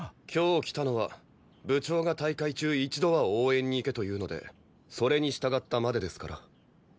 今日来たのは部長が大会中一度は応援に行けと言うのでそれに従ったまでですから。